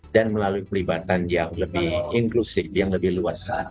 dan melalui perlibatan yang lebih inklusif yang lebih luas